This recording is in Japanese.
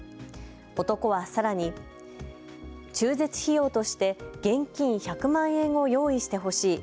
男はさらに中絶費用として現金１００万円を用意してほしい。